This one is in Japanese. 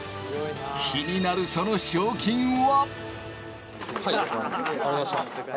気になる、その賞金は。